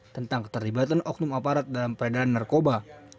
tentang keterlibatan oknum aparat dalam peredaran narkoba